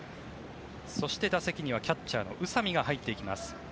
そして、打席にはキャッチャーの宇佐見が入っていきます。